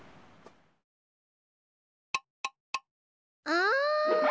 あ！